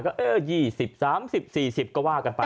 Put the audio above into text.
๒๐๓๐๔๐ก็ว่ากันไป